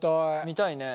見たいね。